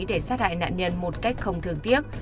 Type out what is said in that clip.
để sát hại nạn nhân một cách không thường tiếc